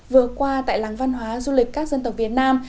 vừa qua tại làng văn hóa du lịch các dân tộc việt nam